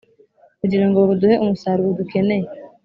kugira ngo buduhe umusaruro dukeneye